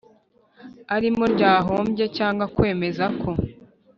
arimo ryahombye cyangwa kwemeza ko